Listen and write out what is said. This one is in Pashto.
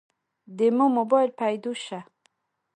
دمو مباييل پيدو شه.